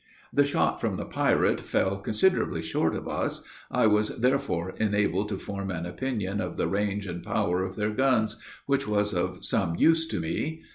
The shot from the pirate fell considerably short of us, I was therefore enabled to form an opinion of the range and power of their guns, which was of some use to me.